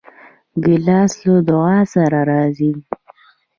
ګیلاس له دعا سره راځي.